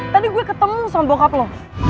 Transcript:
tadi gue ketemu sama bokap loh